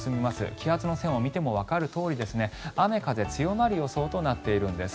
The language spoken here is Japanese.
気圧の線を見てもわかるとおり雨風強まる予想となっているんです。